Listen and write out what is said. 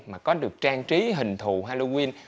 mà có được trang trí hình thù halloween